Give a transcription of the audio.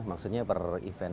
maksudnya per event